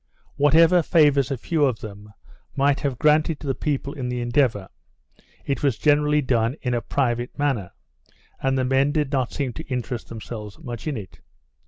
Whatever favours a few of them might have granted to the people in the Endeavour, it was generally done in a private manner, and the men did not seem to interest themselves much in it.